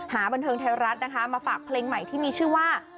บันเทิงไทยรัฐนะคะมาฝากเพลงใหม่ที่มีชื่อว่า